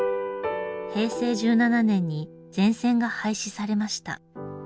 平成１７年に全線が廃止されました。